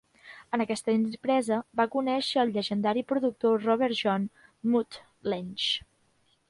En aquesta empresa, va conèixer al llegendari productor Robert John "Mutt" Lange.